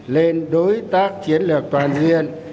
lên đối tác chiến lược toàn diện